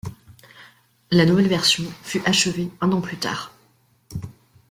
La nouvelle version fut achevée un an plus tard.